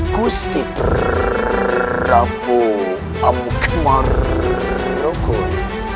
kusti prabu amok marugul